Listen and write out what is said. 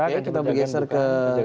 oke kita bergeser ke tol lainnya